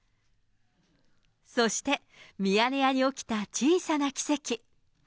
そして、ミヤネ屋に起きた小さな奇跡。